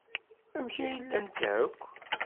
Amek ay llant akk?